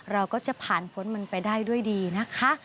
เราก็จะผ่านพ้นมันไปได้ด้วยดีนะคะ